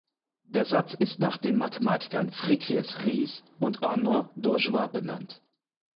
Der Satz ist nach den Mathematikern Frigyes Riesz und Arnaud Denjoy benannt.